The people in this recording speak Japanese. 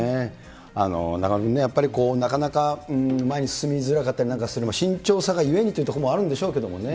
中丸君ね、なかなか前に進みづらかったりなんかするのは、慎重さがゆえにというところもあるんでしょうけれどもね。